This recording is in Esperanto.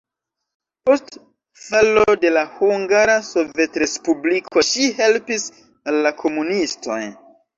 Post falo de la hungara sovetrespubliko ŝi helpis al la komunistoj.